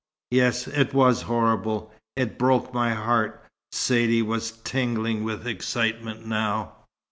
"Yes, it was horrible. It broke my heart." Saidee was tingling with excitement now.